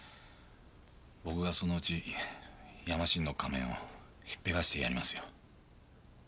僕がそのうちヤマシンの仮面をひっぺがしてやりますよ。